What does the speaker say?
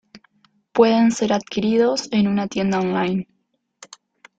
Pueden ser adquiridos en una tienda online.